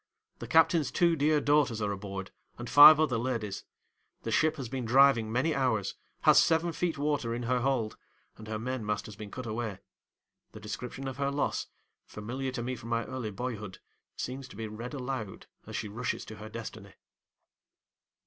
The captain's two dear daughters are aboard, and five other ladies. The ship has been driving many hours, has seven feet water in her hold, and her mainmast has been cut away. The description of her loss, familiar to me from my early boyhood, seems to be read aloud as she rushes to her destiny.